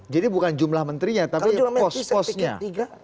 jadi bukan jumlah menterinya tapi pos posnya